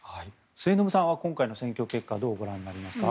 末延さんは今回の選挙結果をどうご覧になりますか？